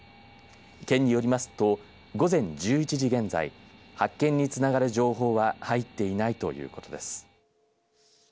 県によりますと午前１１時現在発見につながる情報は入っていないということです。